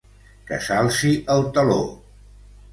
Que s’alci el teló!